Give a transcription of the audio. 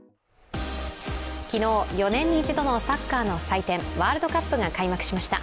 昨日、４年に一度のサッカーの祭典、ワールドカップが開幕しました。